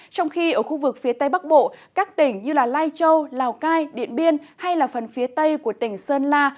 trong khi ở khu vực phía tây bắc bộ các tỉnh như lai châu lào cai điện biên hay phần phía tây của tỉnh sơn la